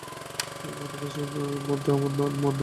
মেডিটেশনের মধ্যে আমার মন অনেক শান্ত ছিল।